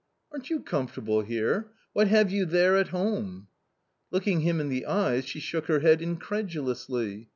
" Aren't you comfortable here ? What have you there, at home?" Looking him in the eyes, she shook her head incredu lously.